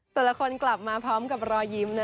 ตัวละคนกลับมาพร้อมกับรอยิ้ม